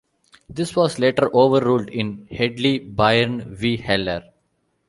This was later overruled in "Hedley Byrne v Heller".